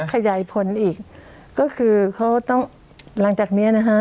ขยายผลอีกก็คือเขาต้องหลังจากเนี้ยนะฮะ